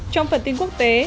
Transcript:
trong phần tin quốc tế